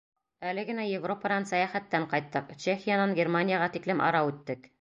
— Әле генә Европанан сәйәхәттән ҡайттыҡ, Чехиянан Германияға тиклем ара үттек.